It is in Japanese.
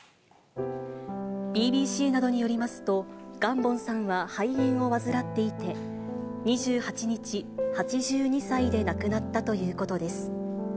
ＢＢＣなどによりますと、ガンボンさんは肺炎を患っていて、２８日、８２歳で亡くなったということです。